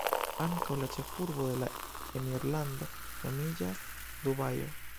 Ankaŭ la ĉefurbo de la emirlando nomiĝas Dubajo.